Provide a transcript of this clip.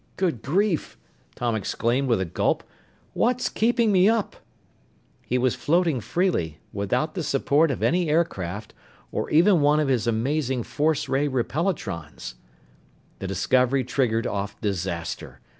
"Good grief!" Tom exclaimed with a gulp. "What's keeping me up?" He was floating freely, without the support of any aircraft or even one of his amazing force ray repelatrons! The discovery triggered off disaster.